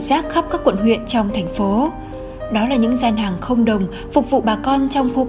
rác khắp các quận huyện trong thành phố đó là những gian hàng không đồng phục vụ bà con trong khu